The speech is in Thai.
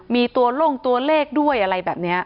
มีตัวลงตัวเลขด้วยอะไรแบบนี้